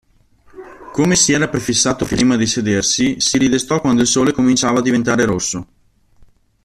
Come si era prefissato prima di sedersi, si ridestò quando il sole cominciava a diventare rosso.